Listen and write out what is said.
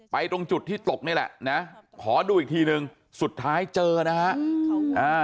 ตรงจุดที่ตกนี่แหละนะขอดูอีกทีหนึ่งสุดท้ายเจอนะฮะ